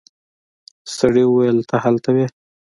سړي وويل ته هلته وې.